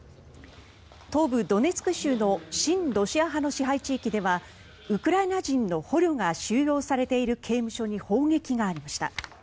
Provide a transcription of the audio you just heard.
東部ドネツク州の親ロシア派の支配地域ではウクライナ人の捕虜が収容されている刑務所に砲撃がありました。